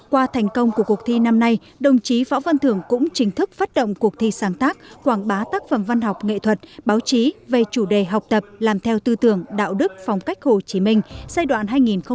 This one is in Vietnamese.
qua thành công của cuộc thi năm nay đồng chí võ văn thưởng cũng chính thức phát động cuộc thi sáng tác quảng bá tác phẩm văn học nghệ thuật báo chí về chủ đề học tập làm theo tư tưởng đạo đức phong cách hồ chí minh giai đoạn hai nghìn hai mươi hai nghìn hai mươi năm